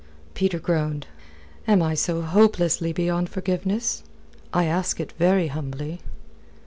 Peter groaned. "Am I so hopelessly beyond forgiveness? I ask it very humbly."